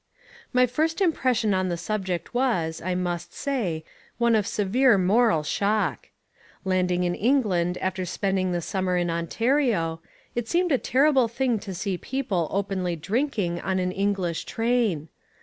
My first impression on the subject was, I must say, one of severe moral shock. Landing in England after spending the summer in Ontario, it seemed a terrible thing to see people openly drinking on an English train.